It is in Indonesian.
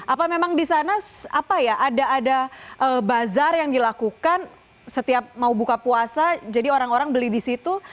apa memang di sana apa ya ada ada bazar yang dilakukan setiap mau buka puasa jadi orang orang beli di situ